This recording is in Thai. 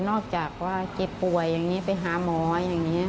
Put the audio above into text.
จากว่าเจ็บป่วยอย่างนี้ไปหาหมออย่างนี้